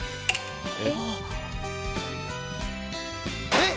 えっ！？